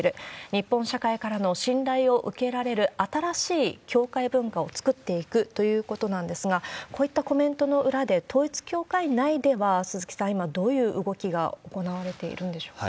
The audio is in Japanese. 日本社会からの信頼を受けられる新しい教会文化を作っていくということなんですが、こういったコメントの裏で、統一教会内では、鈴木さん、今、どういう動きが行われているんでしょうか？